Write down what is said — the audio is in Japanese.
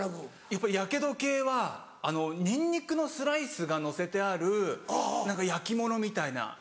やっぱりやけど系はニンニクのスライスがのせてある何か焼き物みたいな。